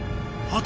あ。